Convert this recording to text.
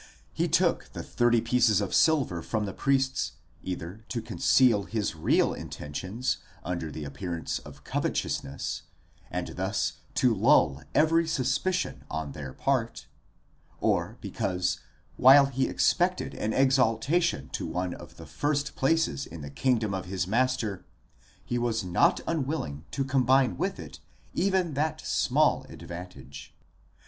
He took the thirty pieces of silver from the priests either to conceal his real intentions under the appearance of covetousness, and thus to lull every suspicion on their part ; or, because, while he expected an exaltation to one of the first places in the kingdom of his master, he was not unwilling to combine with it even that small advantage.